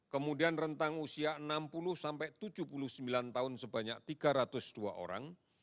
kemudian rentang usia enam puluh sampai tujuh puluh sembilan tahun sebanyak tiga ratus dua orang